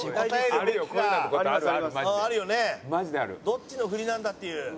どっちの振りなんだっていう。